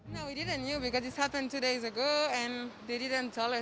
tapi tidak tahu kenapa di mana berapa berapa kali tidak ada